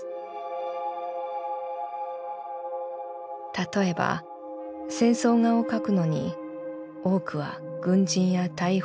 例えば戦争画を描くのに多くは軍人や大砲を描く。